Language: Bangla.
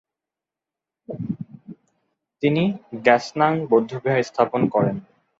তিনি গাস-নাং বৌদ্ধবিহার স্থাপন করেন।